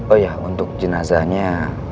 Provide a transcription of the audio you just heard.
oh iya untuk jenazahnya